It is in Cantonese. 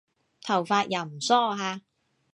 頭髮又唔梳下